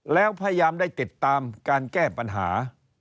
แล้วพยายามได้ติดตามการแก้ปัญหา